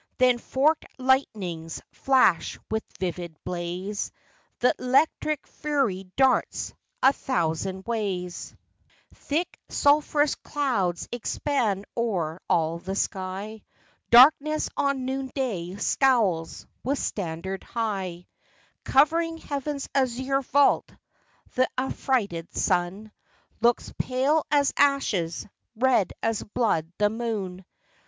Then forked lightnings flash, with vivid blaze; Th' electic fury darts a thousand ways. 5 # 50 ITALY. Thick sulphurous clouds expand o'er all the sky. Darkness on noon day scowls, with standard high Covering heaven's azure vault; th' affrighted sun Looks pale as ashes, red as blood the moon.